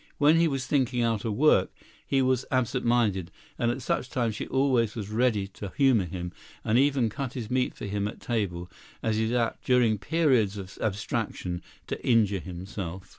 When he was thinking out a work, he was absent minded, and at such times she always was ready to humor him, and even cut his meat for him at table, as he was apt during such periods of abstraction to injure himself.